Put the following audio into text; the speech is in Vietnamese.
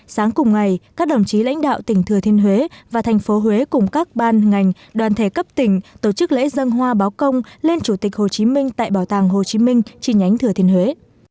sáng cùng ngày các đồng chí lãnh đạo tỉnh thừa thiên huế và thành phố huế cùng các ban ngành đoàn thể cấp tỉnh tổ chức lễ dân hoa báo công lên chủ tịch hồ chí minh tại bảo tàng hồ chí minh chi nhánh thừa thiên huế